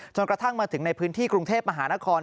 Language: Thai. กระทั่งมาถึงในพื้นที่กรุงเทพมหานคร